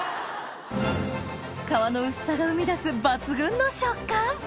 皮の薄さが生み出す抜群の食感